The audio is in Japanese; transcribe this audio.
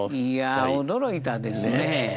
いやあ驚いたですね。